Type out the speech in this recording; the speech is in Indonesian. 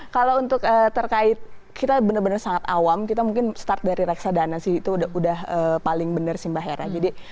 kalau untuk terkait kita benar benar sangat awam kita mungkin start dari reksadana sih itu udah paling bener sih mbak hera